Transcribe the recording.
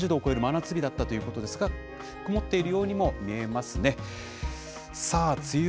そして名古屋、こちらも３０度を超える真夏日だったということですが、曇っているようにも見えますね。